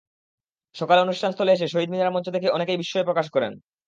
সকালে অনুষ্ঠানস্থলে এসে শহীদ মিনারে মঞ্চ দেখে অনেকেই বিসঞ্চয় প্রকাশ করেন।